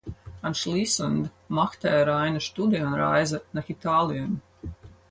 Anschließend machte er eine Studienreise nach Italien.